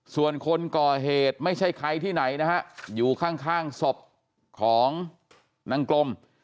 ส่วนคนก่อเหตุไม่ใช่ใครที่ไหนนะฮะอยู่ข้างศพของนางกลม